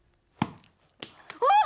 あっ！